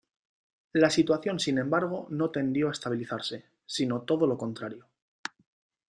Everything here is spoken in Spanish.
La situación, sin embargo, no tendió a estabilizarse, sino todo lo contrario.